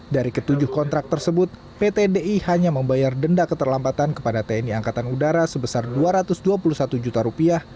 dari ketujuh kontrak tersebut pt di hanya membayar denda keterlambatan kepada tni angkatan udara sebesar dua ratus dua puluh satu juta rupiah